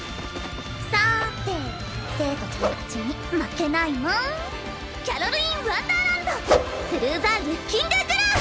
さて生徒ちゃん達に負けないもんキャロル・イン・ワンダーランドスルー・ザ・ルッキング・グラス！